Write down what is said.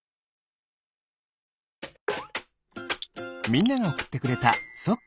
みんながおくってくれたそっ